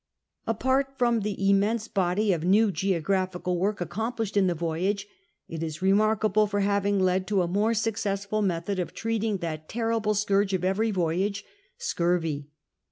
Apart from the immense body of new geographical work accomplished in the voyage, it is remarkable for having led to a more successful method of treating that terrible scourge of every voyage — scurvy.